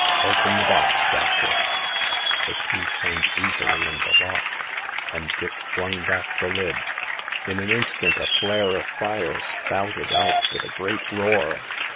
Open the box, doctor." The key turned easily in the lock, and Dick flung back the lid. In an instant a flare of fire spouted out with a great roar.